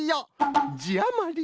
じあまり。